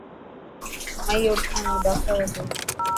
مائي اوڙکاڻ رو ڊاڪٽر هتو.